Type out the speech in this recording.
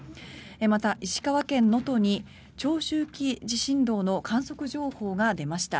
また、石川県能登に長周期地震動の観測情報が出ました。